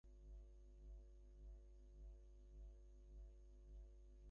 দুই চিরপ্রতিদ্বন্দ্বীর লড়াইটা কিছুটা হলেও কাল ফিরিয়ে আনল সোনালি অতীতের স্মৃতি।